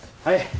はい。